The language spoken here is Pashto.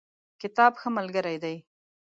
کتاب ښه ملګری دی.